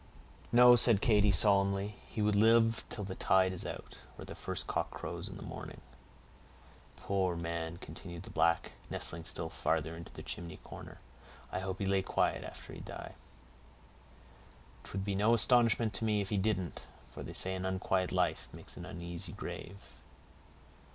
"No," said Katy, solemnly, "he will live till the tide is out, or the first cock crows in the morning." "Poor man!" continued the black, nestling still farther into the chimney corner, "I hope he lay quiet after he die." "'Twould be no astonishment to me if he didn't; for they say an unquiet life makes an uneasy grave."